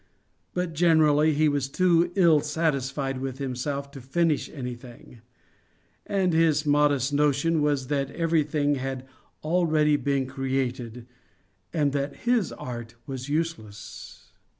But generally he was too ill satisfied with himself to finish anything; and his modest notion was that everything had already been created and that his art was useless.